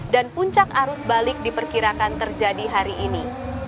dan puncak arus balik diperkirakan terjadi hari ini